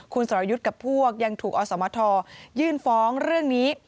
คุณสรยุทธ์กับพวกยังถูกอสมทยื่นฟ้องเรื่องนี้